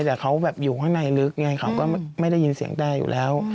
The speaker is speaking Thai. แต่เขาแบบอยู่ข้างในลึกไงเขาก็ไม่ได้ยินเสียงแต้อยู่แล้ว